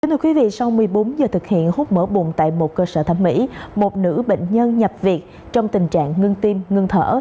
sau một mươi bốn giờ thực hiện hút mỡ bụng tại một cơ sở thẩm mỹ một nữ bệnh nhân nhập việc trong tình trạng ngưng tim ngưng thở